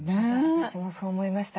私もそう思いました。